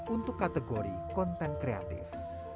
untuk kategori konten kreatif